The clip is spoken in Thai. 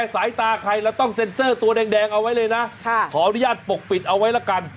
สายตาใครเราต้องเซ็นเซอร์ตัวแดงเอาไว้เลยนะขออนุญาตปกปิดเอาไว้ละกัน